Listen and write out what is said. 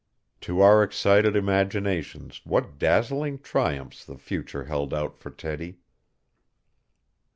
To our excited imaginations what dazzling triumphs the future held out for Teddy.